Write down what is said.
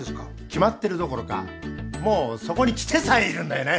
決まってるどころかもうそこに来てさえいるんだよね。